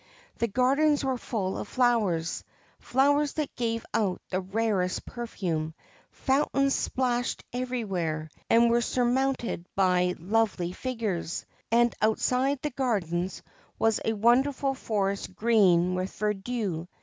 The gardens were full of flowers flowers that gave out the rarest perfume ; fountains splashed everywhere, and were surmounted by lovely figures ; and outside the gardens was a wonderful forest green with verdure.